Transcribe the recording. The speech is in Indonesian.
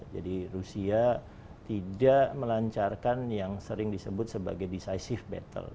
jadi rusia tidak melancarkan yang sering disebut sebagai decisive battle